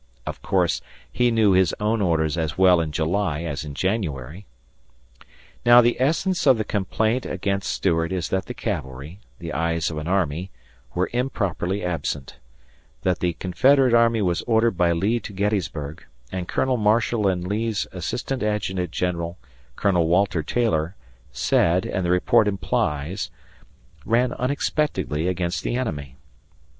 Of course, he knew his own orders as well in July as in January. Now the essence of the complaint against Stuart is that the cavalry the eyes of an army were improperly absent; that the Confederate army was ordered by Lee to Gettysburg, and, Colonel Marshall and Lee's Assistant Adjutant General, Colonel Walter Taylor, said, and the report implies, ran unexpectedly against the enemy.